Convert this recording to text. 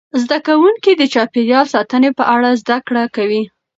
زده کوونکي د چاپیریال ساتنې په اړه زده کړه کوي.